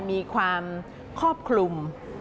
มีความครอบคลุม